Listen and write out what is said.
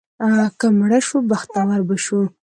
که مړه شو، بختور به شو.